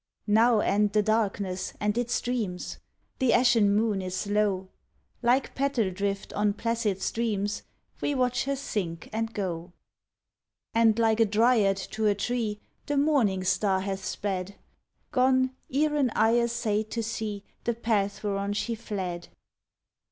Now end the darkness and its dreams. The ashen moon is low; Like petal drift on placid streams We watch her sink and go. And like a dryad to her tree The morning star hath sped — Gone ere an eye essayed to see The path whereon she fled.